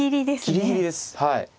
ギリギリですはい。